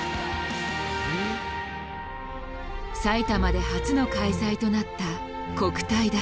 埼玉で初の開催となった国体だ。